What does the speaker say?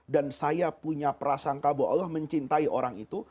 dan saya punya perasaan bahwa allah mencintai orang itu